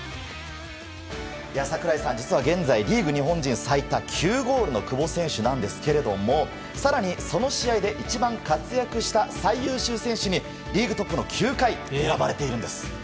櫻井さん、実は現在リーグ日本人最多９ゴールの久保選手ですが更に、その試合で一番活躍した最優秀選手にリーグトップの９回選ばれているんです。